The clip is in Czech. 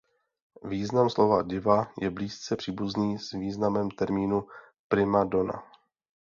Význam slova "diva" je blízce příbuzný s významem termínu "prima donna".